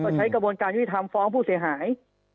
ใช้กระบวนการยุติธรรมฟ้องผู้เสียหาย